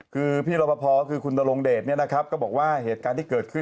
คือพี่รอปภคือคุณนรงเดชก็บอกว่าเหตุการณ์ที่เกิดขึ้น